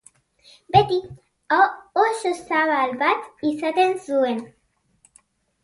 Beti, aho oso zabal bat izaten zuen.